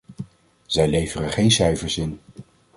Zij leveren geen cijfers in.